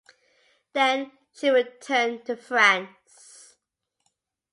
Then she returned to France.